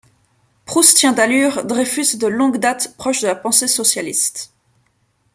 Proustien d’allure, Dreyfus est de longue date proche de la pensée socialiste.